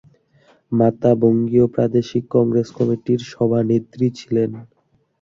মাতা বঙ্গীয় প্রাদেশিক কংগ্রেস কমিটির সভানেত্রী ছিলেন।